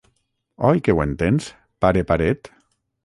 Oi que ho entens, pare paret?